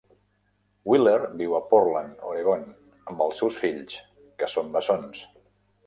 Wheeler viu a Portland, Oregon, amb els seus fills, que són bessons.